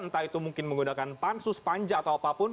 entah itu mungkin menggunakan pansus panja atau apapun